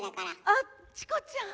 あっチコちゃん。